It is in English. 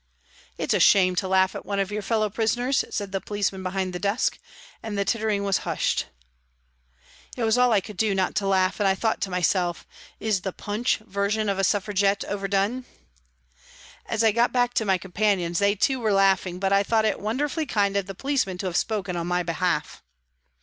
" It's a shame to laugh at one of your fellow prisoners," said the policeman behind the desk, and the tittering was hushed. It was all I could do not to laugh, and I thought to myself " Is the Punch version of a Suffragette overdone ?" As I got back to my companions they too were laughing, but I thought it wonderfully kind of the policeman to have spoken on my behalf.